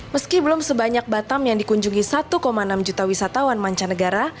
meski belum sebanyak batam yang dikunjungi satu enam juta wisatawan mancanegara